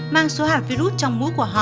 mang số hạt virus trong mũi của họ